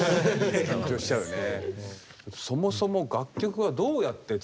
緊張しちゃうよね。